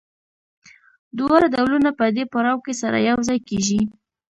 دواړه ډولونه په دې پړاو کې سره یوځای کېږي